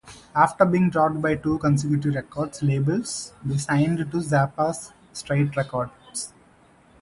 After being dropped by two consecutive record labels, they signed to Zappa's Straight Records.